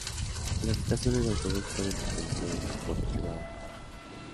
Las estaciones de autobús pueden pertenecer al transporte privado o público.